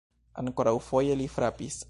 Ankoraŭfoje li frapis.